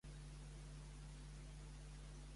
A més, a l'actualitat el fet muixeranguer és maduríssim.